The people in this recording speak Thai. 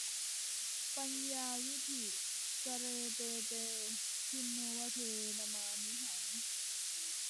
ปัญญาวิฒิ กเร เต เต ทินโนวาเท นมา มิหัง